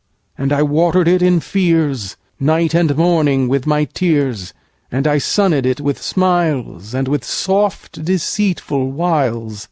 And I water'd it in fears, Night and morning with my tears; And I sunnèd it with smiles, And with soft deceitful wiles.